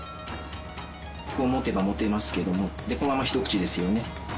こう持てば持てますけどもでこのままひと口ですよね。